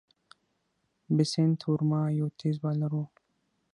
بسنت ورما یو تېز بالر وو.